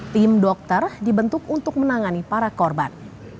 tim dokter dibentuk untuk menangani para korban